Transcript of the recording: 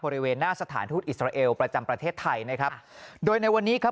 บริเวณหน้าสถานทูตอิสราเอลประจำประเทศไทยนะครับโดยในวันนี้ครับ